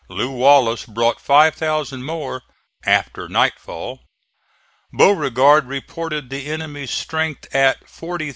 Lew. Wallace brought 5,000 more after nightfall. Beauregard reported the enemy's strength at 40,955.